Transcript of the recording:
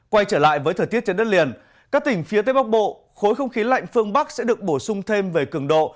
quay trở lại với thời tiết trên đất liền các tỉnh phía tây bắc bộ khối không khí lạnh phương bắc sẽ được bổ sung thêm về cường độ